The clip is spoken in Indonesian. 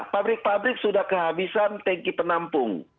pabrik pabrik sudah kehabisan tanki penampung